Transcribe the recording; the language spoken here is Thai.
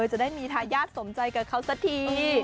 อยากจะได้มีความทียากสมใจกับเขาสักที